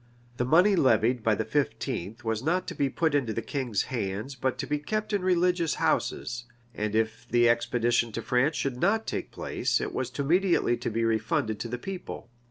The money levied by the fifteenth was not to be put into the king's hands but to be kept in religious houses; and if the expedition into France should not take place, it was immediately to be refunded to the people.